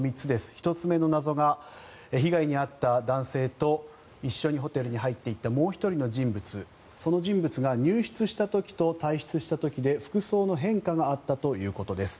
１つ目の謎が被害に遭った男性と一緒にホテルに入っていったもう１人の人物その人物が入室した時と退室した時で服装の変化があったということです。